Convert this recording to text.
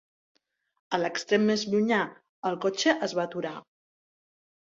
A l'extrem més llunyà, el cotxe es va aturar.